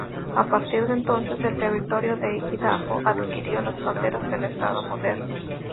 A partir de entonces el Territorio de Idaho adquirió las fronteras del Estado moderno.